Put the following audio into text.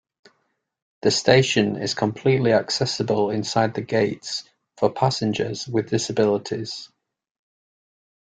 The station is completely accessible inside the gates for passengers with disabilities.